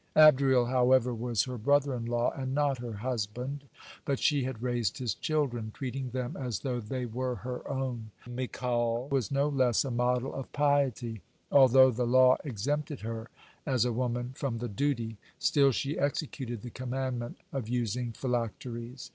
Adriel, however, was her brother in law and not her husband, but she had raised his children, treating them as though they were her own. (133) Michal was no less a model of piety. Although the law exempted her, as a woman, from the duty, still she executed the commandment of using phylacteries.